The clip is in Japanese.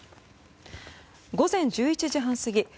午前１１時半過ぎ